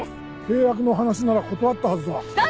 契約の話なら断ったはずだ。